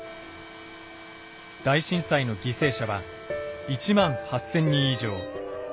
大震災の犠牲者は１万８千人以上。